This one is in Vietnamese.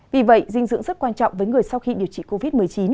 vì vậy dinh dưỡng rất quan trọng với người sau khi điều trị covid một mươi chín